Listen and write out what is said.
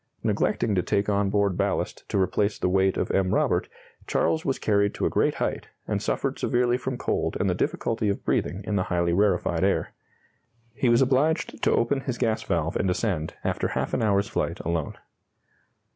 Neglecting to take on board ballast to replace the weight of M. Robert, Charles was carried to a great height, and suffered severely from cold and the difficulty of breathing in the highly rarefied air. He was obliged to open his gas valve and descend after half an hour's flight alone.